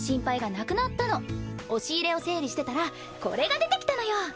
押し入れを整理してたらこれが出てきたのよ。